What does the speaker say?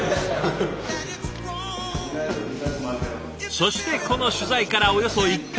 そしてこの取材からおよそ１か月後。